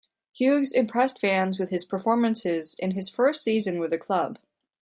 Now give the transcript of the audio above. Hughes impressed fans with his performances in his first season with the club.